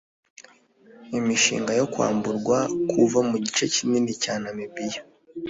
imishinga yo kwamburwa kuva mu gice kinini cya namibiya